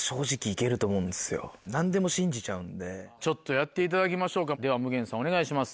やっていただきましょうかでは夢幻さんお願いします。